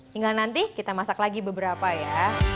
tinggal nanti kita masak lagi beberapa ya